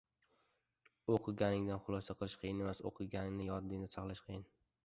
O‘qiganingdan xulosa qilish qiyin emas, o‘qiganingni yodingda saqlash qiyin